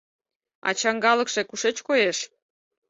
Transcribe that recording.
А чаҥгалыкше кушеч коеш?